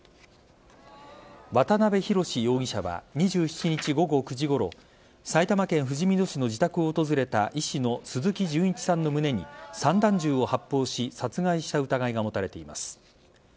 渡辺宏容疑者は２７日午後９時ごろ埼玉県ふじみ野市の自宅を訪れた医師の鈴木純一さんの胸に散弾銃を発砲し殺害した疑いが持たれています。